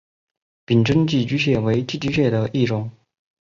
柄真寄居蟹为寄居蟹的一种。